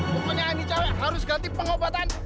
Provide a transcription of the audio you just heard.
pokoknya ini cewek harus ganti pengobatan